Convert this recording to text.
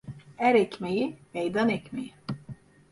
Er ekmeği, meydan ekmeği.